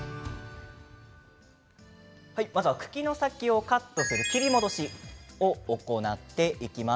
まずは茎の先をカットする切り戻しを行っていきます。